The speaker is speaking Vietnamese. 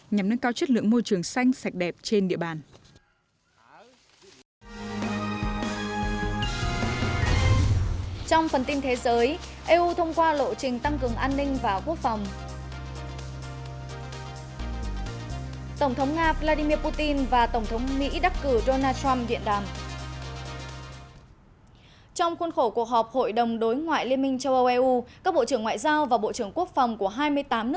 nhằm nâng cao chất lượng môi trường xanh sạch đẹp trên địa bàn